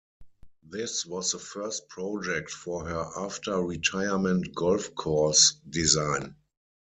This was the first project for her after-retirement golf course design.